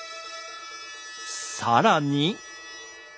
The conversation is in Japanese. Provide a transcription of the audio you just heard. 更に。